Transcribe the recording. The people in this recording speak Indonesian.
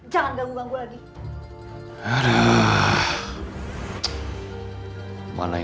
jangan ganggu ganggu lagi